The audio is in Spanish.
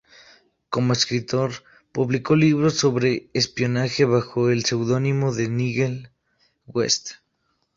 Como escritor, publicó libros sobre espionaje bajo el seudónimo de Nigel West.